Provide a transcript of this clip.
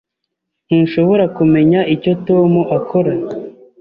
Ntushobora kumenya icyo Tom akora?